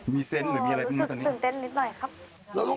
รู้สึกตื่นเต้นนิดหน่อยครับ